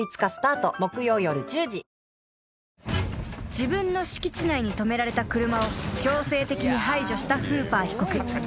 ［自分の敷地内に止められた車を強制的に排除したフーパー被告］